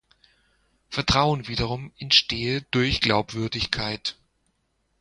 Vertrauen wiederum entstehe „durch Glaubwürdigkeit“.